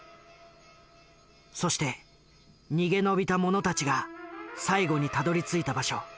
そして逃げ延びた者たちが最後にたどりついた場所